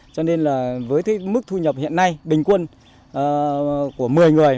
cho nên là với cái mức thu nhập hiện nay bình quân của một mươi người